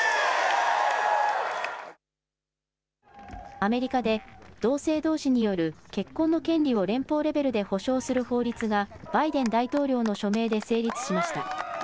アメリカで、同性どうしによる結婚の権利を連邦レベルで保障する法律が、バイデン大統領の署名で成立しました。